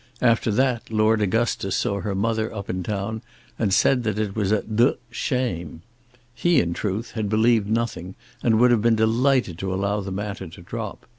After that Lord Augustus saw her mother up in town and said that it was a d shame. He in truth had believed nothing and would have been delighted to allow the matter to drop.